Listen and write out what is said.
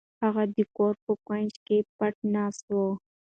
هغه د کور په کونج کې پټه ناسته وه.